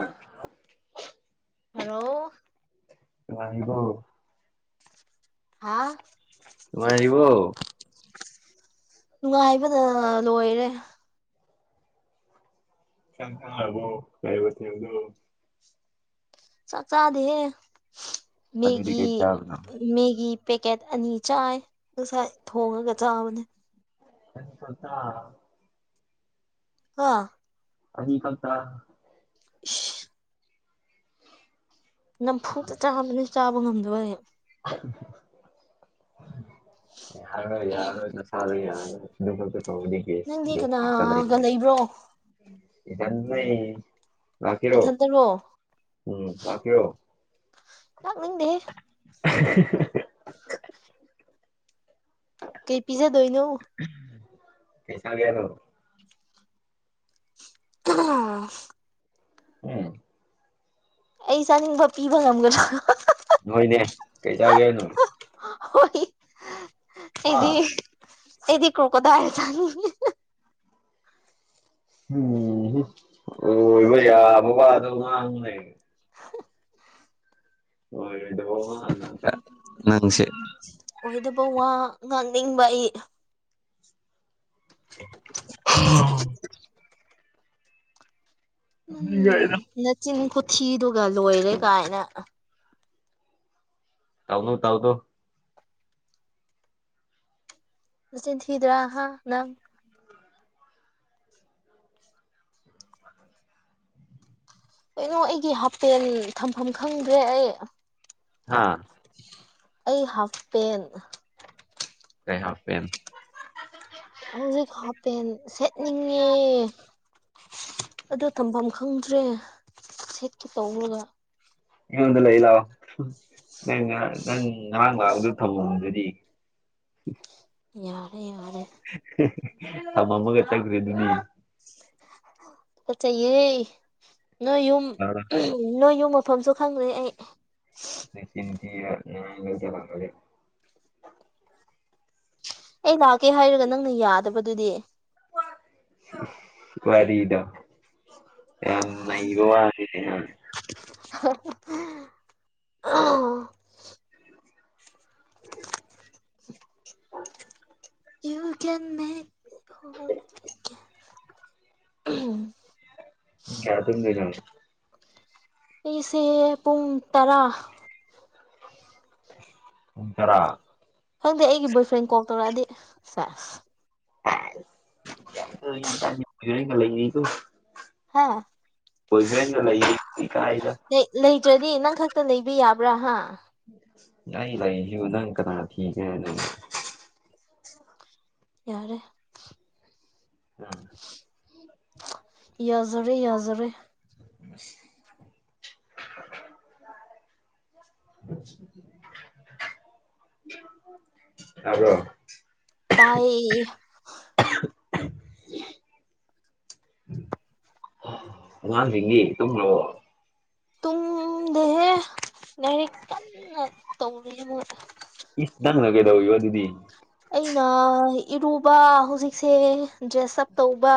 ꯑ ꯍꯂꯣ ꯋꯥꯕꯣ ꯍꯥꯥ ꯇꯃꯥꯏꯔꯤꯕꯣ ꯅꯨꯡꯉꯥꯏꯕꯗ ꯂꯣꯏꯔꯦ ꯆ ꯊ ꯍꯥꯏꯕꯣ ꯀꯥꯏꯕꯗꯨ ꯆꯥꯛ ꯆꯥꯗꯍꯦ ꯑꯗꯨꯗꯤ ꯃꯦꯒꯤ ꯀꯩ ꯆꯥꯕꯅꯣ ꯃꯦꯒꯤ ꯄꯦꯛꯀꯦꯠ ꯑꯅꯤ ꯆꯥꯏ ꯉꯁꯥꯏ ꯊꯣꯡꯉꯒ ꯆꯥꯕꯅꯦ ꯍ ꯐꯠꯇ ꯑ ꯑ ꯀ ꯇ [inaudible] ꯅꯝꯐꯨꯇ ꯆꯥꯕꯅꯤ ꯆꯥꯕ ꯉꯝꯗꯣꯏ [inaudible] ꯌꯥꯔ ꯌꯥꯔ ꯑꯣꯏꯣꯏ ꯆ ꯌꯥꯔꯔ ꯅꯪꯗꯤ ꯀꯦꯁꯦꯁ ꯀꯅꯥꯒ ꯂꯩ ꯂꯩꯕ꯭ꯔꯣ ꯎꯝ ꯆ ꯅ ꯀꯤꯔꯣ ꯅꯊꯟꯇꯔꯣ ꯎꯝꯀꯤꯔꯣ ꯌꯥ ꯅꯤꯡꯗꯦ [inaudible] ꯀꯩ ꯄꯤꯖꯥꯗꯏꯅ ꯀꯩꯁꯥꯒꯦ ꯅ ꯀꯩꯅ ꯎꯝ ꯑꯩ ꯆꯥꯅꯤꯡꯕ ꯄꯤꯕ ꯉꯝꯒꯅꯤ꯭ꯔ ꯅꯣꯏꯅꯦ ꯀꯩ ꯆꯥꯒꯦ ꯅꯅꯨꯡ ꯍ ꯑꯩꯗꯤ ꯑꯩꯗꯤ ꯀꯣ ꯀꯗ ꯍꯥꯏꯁꯥ ꯎꯝ ꯑꯣ ꯏꯕ ꯌꯥ ꯑꯕꯕꯥ ꯑꯗꯨ ꯉ [unintelligible] ꯑꯣꯗ ꯅꯪꯁꯦ ꯑꯣꯏꯗꯕ ꯋꯥ ꯉꯥꯡꯅꯤꯡꯕ ꯑꯩ ꯎ ꯃꯤꯒꯗ ꯊꯤꯗꯨꯒ ꯂꯣꯏꯔꯦ ꯀꯥꯏꯅ ꯇꯥꯎꯅ ꯇꯥꯎꯗ ꯑꯁ ꯊꯗ꯭ꯔꯥ ꯍꯥ ꯅꯪ ꯀꯩꯅꯣ ꯑꯩꯒꯤ ꯍꯥꯄꯦꯜ ꯊꯝꯐꯝ ꯈꯪꯗ꯭ꯔꯦ ꯑꯩ ꯑꯥ ꯑꯩ ꯍꯥꯞ ꯄꯦꯟ ꯀꯩ ꯍꯥꯦ ꯍꯧꯖꯤꯛ ꯍꯥꯞꯄꯦꯟ ꯑꯗꯣ ꯇꯝꯐꯝ ꯈꯪꯗ꯭ꯔꯦ ꯁꯦꯠꯀꯤ ꯇꯧꯔꯒ ꯑꯩꯉꯣꯟꯗ ꯂꯩ ꯂꯥꯛꯑꯣ ꯅꯪ ꯅꯪ ꯉꯔꯥꯡ ꯉꯔꯥꯡꯗ ꯊꯝꯃꯣ ꯑꯗꯨꯗꯤ ꯎ ꯌꯥꯔꯦ ꯌꯥꯔꯦ ꯑ ꯃꯃꯒ ꯇꯒꯔꯤꯦ ꯑꯗꯨꯗꯤ ꯑꯆꯥ ꯌꯦ ꯅ ꯌ ꯃꯐꯝꯁꯨ ꯈꯪꯗꯦ ꯑꯩ ꯇꯗ ꯐꯉꯂꯤ ꯆꯀꯦ ꯍꯥꯏꯔꯒ ꯅꯪꯅ ꯌꯥꯗꯕꯗꯨꯗꯤ ꯀꯔꯤꯗ ꯑꯦꯟꯅꯩꯕ ꯋꯥ ꯑ ꯀ ꯌꯥ ꯑꯗꯨꯗꯔꯣ ꯑꯩꯁꯦ ꯄꯨꯡ ꯇꯔꯥ ꯎ ꯇꯔꯥ ꯇꯧꯂꯗꯤ ꯁꯥ ꯅꯣꯏꯒꯤ ꯍꯦꯟꯖꯥꯡꯒ ꯑꯩꯅꯥ ꯂꯩꯕꯤ ꯕꯥꯗꯣ ꯍꯥ ꯍꯧꯖꯅꯥ ꯂꯩꯌꯦ ꯀꯗ ꯇ꯭ꯔꯗꯤ ꯅꯪ ꯈꯛꯇ ꯂꯩꯕ ꯌꯥꯕ꯭ꯔꯥ ꯍꯥ ꯅꯪ ꯂꯩꯏꯁꯨ ꯅꯪ ꯀꯅ ꯊꯤꯒꯦ ꯍꯥꯏ ꯅꯣ ꯌꯥꯔꯦ ꯑꯥ ꯌꯥꯖꯔꯦ ꯌꯥꯖꯔꯦ [unintelligible] [unintelligible] ꯇꯥꯕ꯭ꯔꯣ ꯇꯥꯏ [inaudible] ꯑꯉꯥꯡ ꯁꯤꯡꯗꯤ ꯇꯨꯝꯈ꯭ꯔꯕꯣ ꯇꯨꯝ ꯗꯦꯍꯦ ꯂꯩꯔꯤꯛ ꯀꯟꯅ ꯇꯧꯔꯤꯍꯦ ꯃꯣꯏ꯫ ꯏ ꯅꯪꯅ ꯀꯩꯗꯧ ꯔꯤꯕꯥ ꯑꯗꯨꯗꯤ ꯑꯩꯅ ꯏꯔꯨꯕ ꯍꯧꯖꯤꯛꯁꯦ ꯗ꯭ꯔꯦꯁ ꯑꯞ ꯇꯧꯕ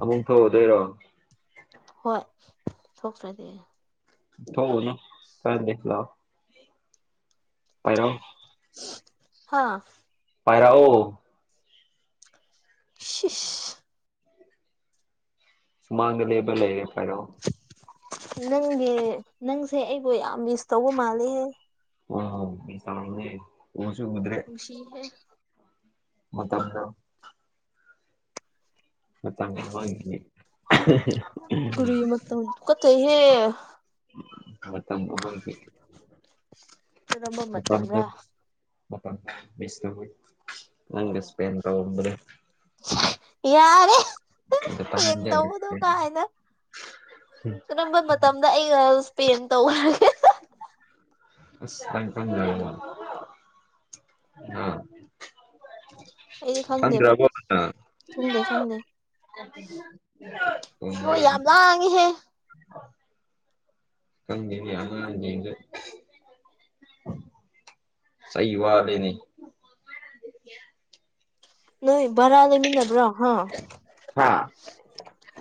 ꯑ ꯑꯃꯨꯛ ꯊ‌ꯣꯛꯑꯗꯣꯏꯔꯣ ꯍꯣꯏ ꯁꯣꯛꯈ꯭ꯔꯗꯤ ꯊꯣꯛ ꯎꯅꯨ ꯀꯟꯗꯦ ꯂꯥꯛꯑꯣ ꯍꯥꯏꯔꯣ ꯍꯥꯥ ꯄꯥꯏꯔꯛꯑꯣ ꯁꯤꯁ ꯁꯨꯃꯥꯡꯗ ꯂꯦꯞꯄ ꯂꯩꯔꯦ ꯄꯥꯏꯔꯣ ꯅꯪꯒꯤ ꯅꯪꯁꯦ ꯑꯩꯕꯨ ꯌꯥꯝ ꯃꯤꯁ ꯇꯧꯕ ꯃꯥꯜꯂꯦꯍꯦ ꯎꯝ ꯃꯤꯁ ꯇꯧꯔꯝꯅꯦ ꯎꯁꯨ ꯎꯗ꯭ꯔꯦ ꯅꯨꯡꯁꯤꯍꯦ ꯃꯇꯝꯗꯣ ꯃꯇꯝ ꯑꯃꯒꯤ ꯀꯔꯤ ꯃꯇꯝ [unintelligible] ꯃꯥꯇꯝ ꯑꯃꯒꯤ ꯅꯝꯕ ꯃꯇꯝꯔꯥ ꯃꯥꯇꯝ ꯔꯥ ꯃꯤꯁ ꯇꯧꯕꯩ ꯅꯪ ꯒꯥ ꯏꯁꯄꯦꯟ ꯇꯧꯔꯝꯕꯗꯣ ꯌꯥꯔꯦ ꯗ ꯄꯦꯟ ꯇꯥꯏꯝꯗ ꯇꯧꯕꯗꯣ ꯀ ꯍꯥꯏꯅ ꯀꯔꯝꯕ ꯃꯇꯝꯗ ꯑꯩꯒꯥ ꯄꯦꯟ ꯇꯧꯒꯥ ꯑꯁ ꯅꯪ ꯈꯪꯗꯔꯕꯣ ꯑꯩꯗꯤ ꯈꯪꯗ‌ꯦꯕ‌ꯣ ꯈꯪꯗ‌ꯦ ꯈꯪꯗ‌ꯦ ꯎꯝ ꯌꯥꯝ ꯂꯥꯡꯉꯤꯍꯦ ꯈꯪꯗꯦꯅꯦ ꯑꯉꯥꯡ ꯁꯤꯡꯖ ꯆꯩ ꯋꯥꯠꯂꯤꯅꯦ ꯅꯣꯏ ꯚꯔꯥ ꯂꯩꯃꯤꯟꯅꯕ꯭ꯔꯣ ꯍꯥ ꯍꯥ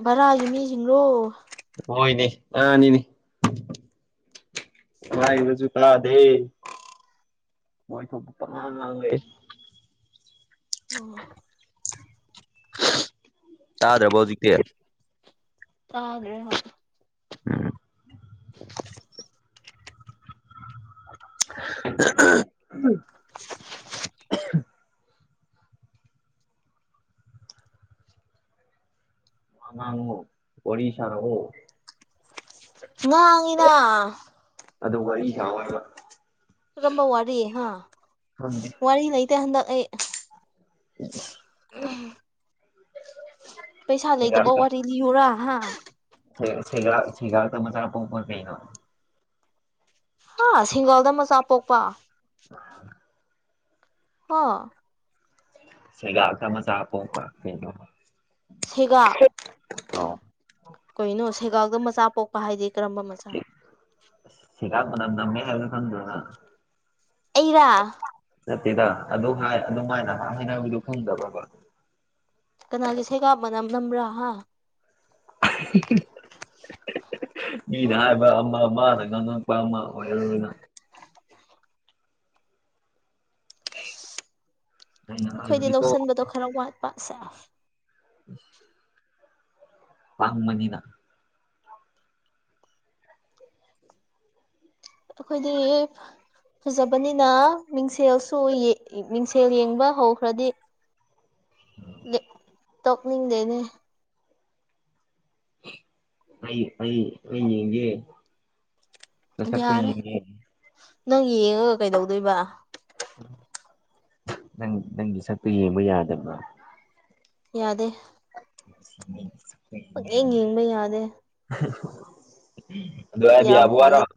ꯕꯔꯥꯒꯤ ꯃꯤꯁꯤꯡꯔꯣ ꯍꯣꯏꯅꯦ ꯑꯥꯅꯤꯅꯤ ꯍꯥꯏꯕꯥ ꯁꯨ ꯇꯥꯗꯦ ꯃꯣꯏ ꯊꯣꯛꯄ ꯄ ꯆꯥꯡ ꯉꯥꯡꯂꯩ ꯑꯣ ꯇꯥꯗ꯭ꯔꯕ ꯍꯧꯖꯤꯛꯇꯤ ꯇꯒ꯭ꯔꯦ ꯎꯝ [unintelligible] [unintelligible] ꯋꯥꯃ ꯑꯣꯔꯤꯁꯥ ꯅ ꯉ ꯑꯉꯗ ꯑꯗꯨ ꯋꯥꯔꯤ ꯁꯥꯕ ꯔꯝꯕ ꯋꯥꯔꯤ ꯍꯥ ꯋꯥꯔꯤ ꯂꯩꯇ ꯍꯟꯗꯛ ꯑꯩ ꯎ ꯄꯩꯁꯥ ꯂꯩꯇꯕ ꯋꯥꯔꯤ ꯂꯤꯌꯨꯔꯥ ꯍꯥ ꯦꯒꯦꯒ ꯇ ꯃ ꯆꯔ ꯄꯣꯄꯔ ꯀꯩꯅ ꯍꯥ ꯁꯤꯡꯒꯣꯜꯗ ꯃꯆꯥ ꯄꯣꯛꯄ [unintelligible] ꯍ ꯁꯤꯒ ꯃꯁꯥꯄꯣ ꯀ ꯁꯦꯒ ꯀꯩꯅꯣ ꯁꯦꯒꯥꯛꯗ ꯃꯆꯥ ꯄꯣꯛꯄ ꯍꯥꯏꯗꯤ ꯀꯔꯝꯕ ꯃꯆꯥꯥ ꯁꯤꯔꯥꯛꯄ ꯃꯇꯝ ꯅꯃꯦ ꯍꯥꯏ ꯐꯟꯗ ꯑꯩꯔ ꯆꯠꯇꯦꯗ ꯑꯗꯨ ꯍꯥꯏ ꯑꯗꯨꯃꯥꯏꯅ ꯍꯥꯏꯅꯕꯗꯨ ꯈꯪꯗꯕ꯭ꯔꯕ ꯀꯅꯥꯒꯤꯁꯦꯒꯥꯕꯅ ꯅꯝꯕ꯭ꯔꯥ ꯍꯥ ꯃꯤꯅ ꯍꯥꯏꯕ ꯑꯃ ꯑꯃꯅ ꯉꯥꯡꯉ ꯋꯥꯃ ꯑꯣꯏꯅ ꯑꯩꯅ ꯑꯩꯈꯣꯏꯗꯤ ꯍꯥꯏꯕꯗꯤꯀꯣ ꯂꯧꯁꯟꯕꯗꯣ ꯈꯔ ꯋꯥꯠꯄꯁꯦ ꯎ ꯋꯥ ꯃꯅꯤꯗ ꯑꯩꯈꯣꯏꯗꯤ ꯐꯖꯕꯅꯤꯅ ꯃꯤꯡꯁꯦꯜꯁꯨ ꯃꯤꯡꯁꯦꯜ ꯌꯦꯡꯕ ꯍꯧꯈ꯭ꯔꯗꯤ ꯇꯣꯛꯅꯤꯡꯗꯦꯅꯦ ꯑꯩ ꯑꯩ ꯑꯩꯦ ꯄꯁ ꯇ ꯌꯥꯔꯦ ꯅꯪ ꯌꯦꯡꯉꯒ ꯀꯩꯗꯧꯗꯣꯏꯕ ꯅꯪ ꯅꯪꯒꯤ ꯁꯛꯇꯨ ꯌꯦꯡꯕ ꯌꯥꯗꯕ꯭ꯔꯥ ꯌꯥꯗꯦ [inaudible] ꯌꯦꯡ ꯌꯥꯗꯕ꯭ꯔꯣ ꯌꯦꯡꯕ ꯌꯥꯗꯦ ꯑꯗꯨ ꯍꯥꯏꯕ ꯌꯥꯝ ꯌꯥꯝ ꯌꯥꯕ ꯀ꯭ꯋꯥ ꯋꯥꯔꯣ ꯌꯥꯝ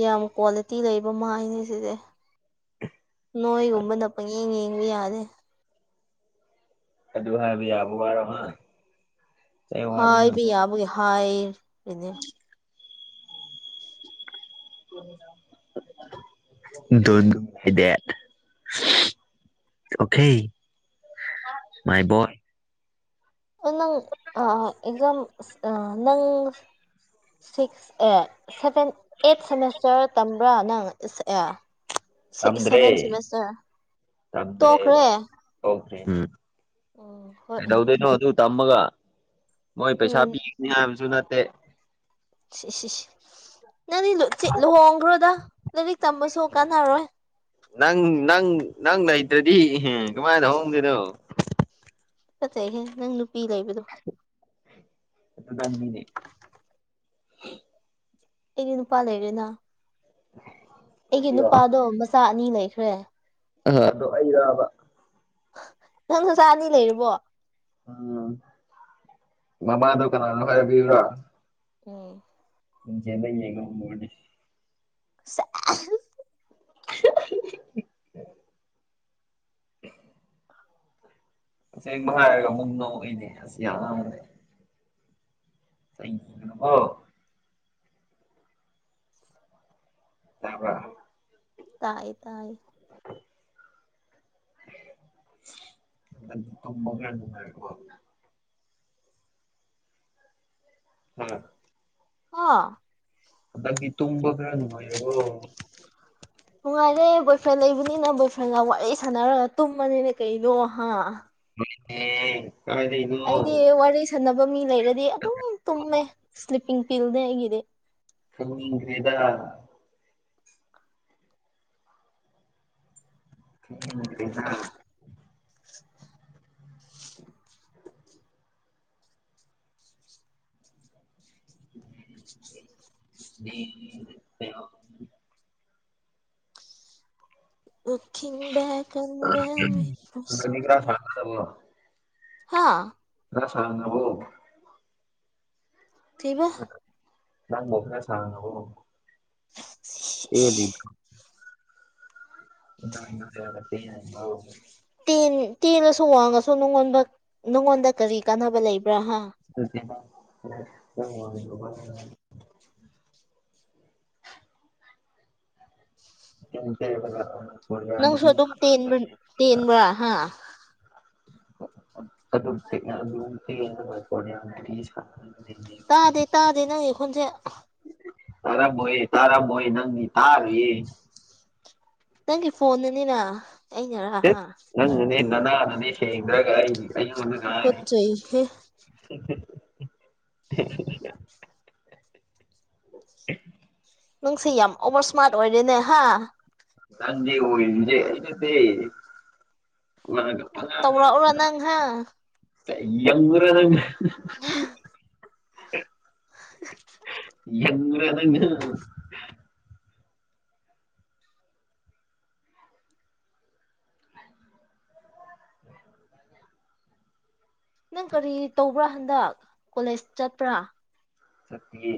ꯌꯥꯝ ꯀ꯭ꯋꯥꯂꯤꯇꯤ ꯂꯩ ꯃꯥꯏꯅꯦ ꯁꯤꯁꯦ ꯅꯣꯏꯒꯨꯝꯕꯅ ꯄꯪꯌꯦꯡ ꯌꯦꯡꯕ ꯌꯥꯅꯤꯦ ꯑꯗꯨꯗꯨ ꯍꯥꯏꯥꯏꯕꯤ ꯌꯥꯕꯉ ꯍꯥꯏꯕꯤ ꯌꯥꯕꯨꯒꯤ ꯍꯥꯏꯅꯦ [inaudible] ꯍꯥꯏ ꯗꯦꯠ ꯑꯣꯈꯦ ꯃꯥꯏꯕ ꯅꯪ ꯑ ꯏꯝ ꯅꯪ ꯁꯤꯛꯁ ꯑꯦ ꯁꯚꯦꯟ ꯑꯩꯠ ꯁꯦꯃꯦꯁꯇꯔ ꯇꯝꯕ꯭ꯔꯥ ꯅꯪ ꯏꯁ ꯑꯦ ꯁꯦꯚꯦꯟ ꯇꯝꯗ꯭ꯔꯦ ꯁꯦꯃꯤꯁꯇꯔ ꯇꯣꯛꯈ꯭ꯔꯦ ꯎꯝ ꯍꯣꯏ ꯎꯝꯗꯧꯗꯩꯅꯣ ꯑꯗꯨ ꯇꯃꯒ ꯃꯣꯏ ꯎꯝ ꯄꯩꯁꯥꯤ ꯅꯁꯨ ꯅꯠꯇ ꯁꯤ ꯁꯤ ꯅꯪꯅꯤ ꯆ ꯂꯨꯍꯣꯡꯈ꯭ꯔꯣꯗ ꯂꯥꯏꯔꯤꯛ ꯇꯝꯕꯁꯨ ꯀꯅꯥꯔꯣꯏ ꯅꯪ ꯅꯪ ꯅꯪ ꯂꯩꯇ꯭ꯔꯗꯤ ꯀꯃꯥꯏꯅ ꯍꯧꯍꯣꯡꯗꯣꯏꯅꯣ ꯐꯠꯇꯩꯍꯦ ꯅꯪ ꯅꯨꯄꯤ ꯂꯩꯕꯗꯣ ꯑꯗꯨ ꯇꯅꯤꯅꯦ ꯑꯩꯗꯤ ꯅꯨꯄꯥ ꯂꯩꯔꯦꯅ ꯎ ꯑꯩꯒꯤ ꯅꯨꯄꯥꯗꯣ ꯃꯆꯥ ꯑꯅꯤ ꯂꯩꯈ꯭ꯔꯦ ꯑꯗꯣ ꯑꯩꯔꯥꯕ ꯅꯪ ꯅꯆꯥ ꯑꯅꯤ ꯂꯩꯔꯕꯣ ꯎꯝ ꯃꯃꯥꯗꯣ ꯀꯅꯥꯅꯣ ꯍꯥꯏꯕꯤꯕ꯭ꯔꯥ ꯎꯝ ꯆꯦꯂ ꯌꯦꯡꯉꯦ [inaudible] [unintelligible] [unintelligible] ꯉꯁ ꯍꯥꯏꯔꯒ ꯑꯨꯝꯛ ꯅꯧ ꯑꯩꯅꯦ ꯑꯁ ꯌꯥꯝꯦ ꯑꯣ ꯑꯕ ꯇꯥꯏ ꯇꯥꯏ [inaudible] ꯇꯃ ꯐ ꯍꯥꯥ ꯑꯥ ꯑꯗꯒꯤ ꯇꯨꯝꯕ ꯀꯅꯅꯨꯡꯉ ꯌꯥꯒꯣ ꯅꯨꯡꯉꯥꯏꯔꯦ ꯕꯣꯏ ꯐ꯭ꯔꯦꯟ ꯂꯩꯕꯅꯤꯅ ꯕꯣꯏ ꯐ꯭ꯔꯦꯟꯒ ꯋꯥꯔꯤ ꯁꯥꯟꯅꯔꯒ ꯇꯨꯝꯃꯅꯤꯅꯦ ꯀꯩꯅꯣ ꯍꯥ ꯎꯝ ꯑꯩꯗꯤ ꯋꯥꯔꯤ ꯁꯅ ꯃꯤ ꯂꯩꯔꯗꯤ ꯑꯗꯨꯝ ꯇꯨꯝꯃꯦ ꯁ꯭ꯂꯤꯞꯄꯤꯡ ꯐꯤꯜꯗꯤ ꯑꯩꯒꯤꯗꯤ ꯊꯃ ꯀꯦꯗ [unintelligible] [unintelligible] ꯂꯈꯤꯤꯡꯕ ꯀ ꯈꯔ ꯔꯦꯁ ꯁꯥꯡꯅꯕꯣ ꯍꯥꯥ ꯁꯅ ꯑꯣ ꯊꯕ ꯅꯪ ꯃꯅꯦ ꯁ ꯑꯣ ꯁꯤ ꯁꯤ ꯑꯦ ꯇꯦꯜꯂꯁꯨ ꯋꯥꯡꯉꯁꯨ ꯅꯉꯣꯟꯗ ꯅꯉꯣꯟꯗ ꯀꯔꯤ ꯀꯥꯟꯅꯕ ꯂꯩꯕ [unintelligible] [unintelligible] ꯅꯪ ꯁꯣ ꯑꯗꯨꯝ ꯇ ꯇꯦꯟꯕ ꯍꯥ ꯑꯗꯨꯔꯤ ꯇꯥꯗꯦ ꯇꯥꯗꯦ ꯅꯪ ꯑꯩꯈꯣꯟꯁꯦ ꯇꯔꯃꯣꯏ ꯇꯥꯔꯃꯣꯏ ꯅꯪꯅꯤ ꯇꯥꯔ ꯅꯪꯒꯤ ꯐꯣꯟꯅꯤꯅ ꯦ ꯅꯪ ꯅꯅꯦ ꯅꯅꯥ ꯅꯅꯦ ꯁꯦꯡ꯭ꯔꯒꯔꯤ ꯀꯩ ꯀꯅꯤ ꯇꯨꯀꯠꯆꯩꯍꯦ [unintelligible] ꯅꯪꯁꯤ ꯌꯥꯝ ꯑꯣꯚꯔ ꯏꯁꯃꯥꯔꯠ ꯑꯣꯏꯔꯦꯅꯦ ꯍꯥ ꯪꯗꯤ ꯑꯣꯏꯖꯦ ꯇꯧꯔꯥ ꯎꯔꯥ ꯅꯪ ꯍꯥ ꯇꯃꯔ ꯑꯗꯨꯦ ꯌꯦ [unintelligible] ꯅꯪ ꯀꯔꯤ ꯇꯧꯕ꯭ꯔꯥ ꯍꯟꯗꯛ ꯀꯣꯂꯦꯖ ꯆꯠꯄ꯭ꯔꯥ ꯁꯇꯦ ꯅꯤꯦ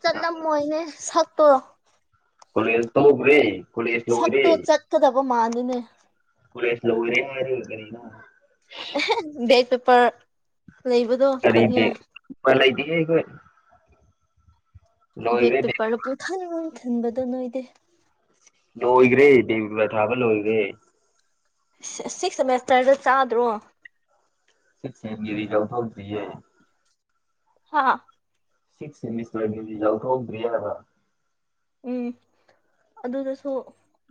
ꯆꯠꯂꯝꯃꯣꯏꯅꯦ ꯁꯛꯇꯣ ꯀꯣꯁ ꯇꯣꯦ ꯁꯛꯇꯣ ꯆꯠꯀꯗꯕ ꯃꯥꯥꯟꯜꯂꯤꯅꯦ ꯄꯨꯁ ꯂ ꯑꯣꯏꯋꯔꯦ ꯍꯥꯏꯔꯦ ꯑꯣꯏꯦꯔꯦ ꯕꯦꯛꯦꯛ ꯄꯦꯄꯔ ꯂꯩꯕꯗꯣ ꯀꯔꯤ ꯊꯥꯗ ꯕꯦꯛ ꯎꯄꯥꯏ ꯂꯩꯇꯦꯍꯦ ꯑꯩꯈꯣꯏ ꯕꯦꯛ ꯄꯦꯄꯔꯗ ꯄꯨꯡꯊꯟ ꯃꯥꯡ ꯊꯟꯕꯗ ꯅꯣꯏꯗꯦ ꯂꯣꯏꯈ꯭ꯔꯦ ꯗꯦꯕꯤꯕ ꯊꯥꯕ ꯂꯣꯏꯈꯔꯦ ꯁꯤꯛꯁ ꯁꯦꯃꯦꯁꯇꯔꯗ ꯆꯥꯗ꯭ꯔꯣ ꯁꯤꯁꯒꯤꯔꯤ ꯌꯥꯎ ꯊꯧꯖꯌꯦ ꯍꯥꯥ ꯁꯤꯁ ꯏꯂꯤꯁ ꯏꯎꯊ ꯔꯤꯦ ꯅꯕ ꯎꯝ ꯑꯗꯨꯗꯁꯨ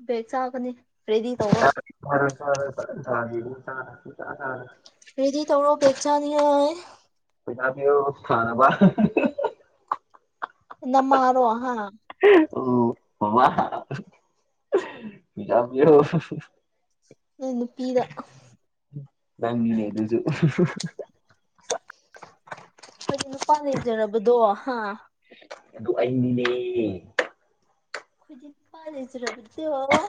ꯕꯦꯛ ꯆꯥꯒꯅꯤ ꯔꯦꯗꯤ ꯇꯧꯔꯣ ꯐꯔ ꯆꯔ ꯊꯔ ꯔꯗꯤ ꯊꯧꯔꯣ ꯄꯦꯆꯅꯤ ꯄꯖꯥꯕꯤ ꯁꯥꯅꯅꯕ ꯅꯃ ꯑꯔꯣ ꯍꯥ ꯑꯣ ꯍ ꯄꯒꯤꯔ ꯎ ꯅꯨꯄꯤꯤꯗ ꯅꯪꯅꯦ ꯑꯗꯨꯁꯨ ꯑꯩꯔꯤ ꯃꯄꯥ ꯂꯩꯖꯔꯕꯗꯣ ꯍꯥ ꯑꯗꯨ ꯑꯩꯅꯤꯅꯦ ꯈꯨꯣꯏꯗꯤ ꯄꯖꯁꯤꯔꯕꯨꯗꯤ ꯑꯣ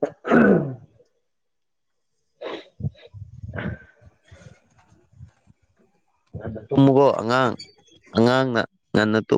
[inaudible] [inaudible] ꯎꯝ ꯑꯗꯨꯃꯨꯛ ꯉꯟꯅ ꯇ